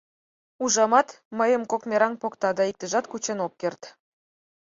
Ужамат, мыйым кок мераҥ покта да иктыжат кучен ок керт.